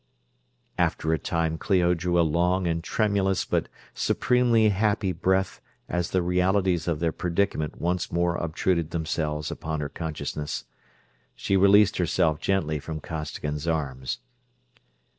After a time Clio drew a long and tremulous, but supremely happy breath as the realities of their predicament once more obtruded themselves upon her consciousness. She released herself gently from Costigan's arms.